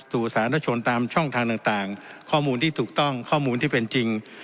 สาธารณชนตามช่องทางต่างข้อมูลที่ถูกต้องข้อมูลที่เป็นจริง